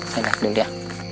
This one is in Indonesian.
saya lihat dulu ya